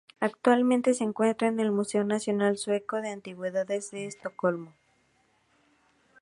Actualmente se encuentra en el museo nacional sueco de antigüedades de Estocolmo.